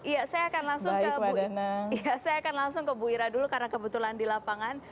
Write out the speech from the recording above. ya saya akan langsung ke ibu ira dulu karena kebetulan di lapangan